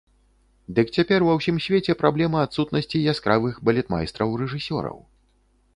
Дык цяпер ва ўсім свеце праблема адсутнасці яскравых балетмайстраў-рэжысёраў.